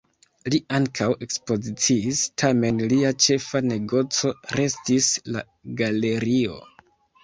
Li ankaŭ ekspoziciis, tamen lia ĉefa negoco restis la galerio.